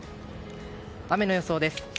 雨の予想です。